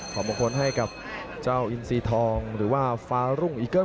ผ่อมงคลให้กับเจ้าอิงซีทองหรือว่าฟารุ้งเอิ๊กเลอร์